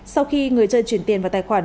sau khi người chơi chuyển tiền vào tài khoản